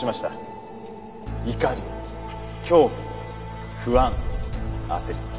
怒り恐怖不安焦り。